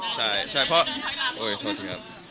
ใช่ใช่เพราะโอ้ยโทษทีครับ